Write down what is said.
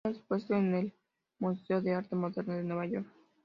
Se han expuesto en el Museo de Arte Moderno de Nueva York.